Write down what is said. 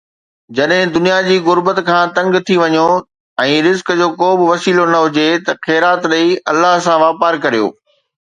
جڏهن دنيا جي غربت کان تنگ ٿي وڃو ۽ رزق جو ڪو به وسيلو نه هجي ته خيرات ڏئي الله سان واپار ڪريو.